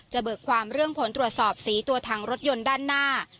เบิกความเรื่องผลตรวจสอบสีตัวทางรถยนต์ด้านหน้า